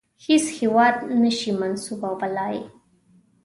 هیڅ هیواد نه سي منسوبولای.